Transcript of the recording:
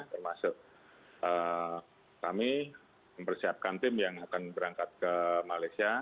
termasuk kami mempersiapkan tim yang akan berangkat ke malaysia